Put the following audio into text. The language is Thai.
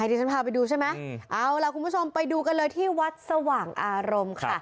เอาล่ะคุณผู้ชมไปดูกันเลยที่วัดสว่างอารมณ์